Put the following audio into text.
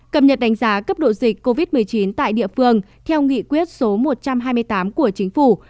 cập nhật đánh giá cấp độ dịch covid một mươi chín tại địa phương theo nghị quyết số một trăm hai mươi tám của chính phủ